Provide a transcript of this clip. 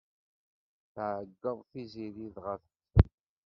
Tɛeggeḍ Tiziri dɣa texsef.